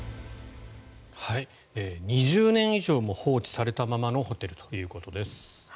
２０年以上も放置されたままのホテルということです。